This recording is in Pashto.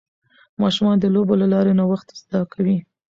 ماشومان د لوبو له لارې نوښت زده کوي.